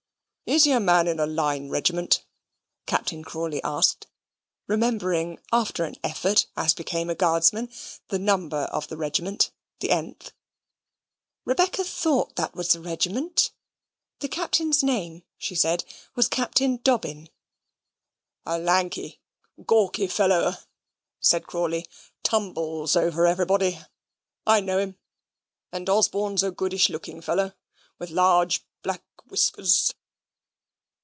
"Is he a man in a line regiment?" Captain Crawley asked, remembering after an effort, as became a guardsman, the number of the regiment, the th. Rebecca thought that was the regiment. "The Captain's name," she said, "was Captain Dobbin." "A lanky gawky fellow," said Crawley, "tumbles over everybody. I know him; and Osborne's a goodish looking fellow, with large black whiskers?"